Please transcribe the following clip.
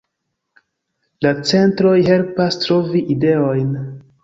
La centroj helpas trovi ideojn.